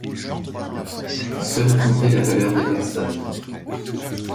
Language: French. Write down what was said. Seule comptait la valeur des personnes.